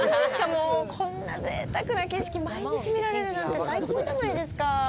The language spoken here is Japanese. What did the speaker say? もう、こんなぜいたくな景色毎日見られるなんて最高じゃないですか。